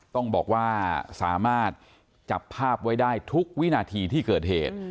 ต้องบอกว่าสามารถจับภาพไว้ได้ทุกวินาทีที่เกิดเหตุ